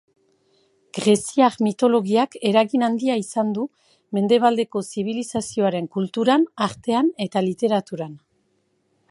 Greziar mitologiak eragin handia izan du mendebaldeko zibilizazioaren kulturan, artean eta literaturan.